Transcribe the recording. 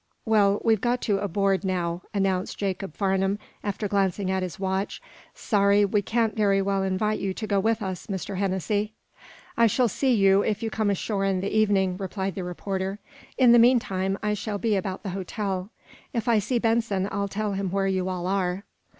"Well, we've got to aboard, now," announced Jacob Farnum, after glancing at his watch. "Sorry we can't very well invite you to go with us, Mr. Hennessy." "I shall see you, if you come ashore in the evening," replied the reporter. "In the meantime I shall be about the hotel. If I see Benson, I'll tell him where you all are."